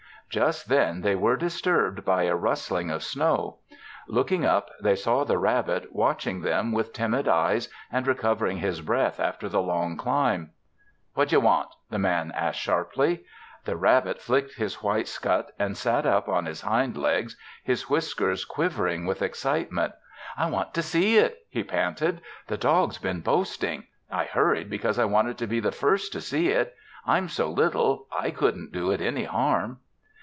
Just then they were disturbed by a rustling of snow. Looking up, they saw the rabbit, watching them with timid eyes and recovering his breath after the long climb. "What d'you want?" the Man asked sharply. The rabbit flicked his white scut and sat up on his hind legs, his whiskers quivering with excitement. "I want to see it," he panted. "The dog's been boasting. I hurried because I wanted to be the first to see it. I'm so little; I couldn't do it any harm."